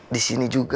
di sini juga